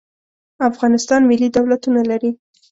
افغانستان ملي دولتونه لري.